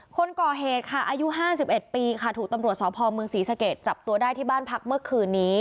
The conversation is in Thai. คนก่อเหตุค่ะอายุ๕๑ปีค่ะถูกตำรวจสพเมืองศรีสะเกดจับตัวได้ที่บ้านพักเมื่อคืนนี้